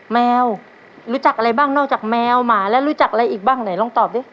แมวรู้จักอะไรบ้างนอกจากแมวหมาแล้วรู้จักอะไรอีกบ้างไหนลองตอบดิ